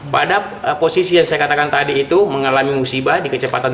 pada posisi yang saya katakan tadi itu mengalami musibah di kecepatan tiga